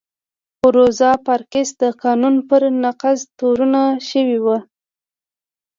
روزا پارکس د قانون پر نقض تورنه شوې وه.